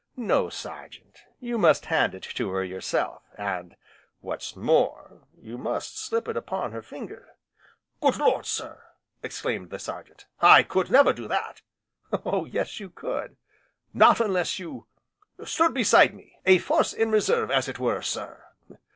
No Sergeant, you must hand it to her yourself, and, what's more, you must slip it upon her finger." "Good Lord! sir!" exclaimed the Sergeant, "I could never do that!" "Oh yes you could!" "Not unless you stood by me a force in reserve, as it were, sir."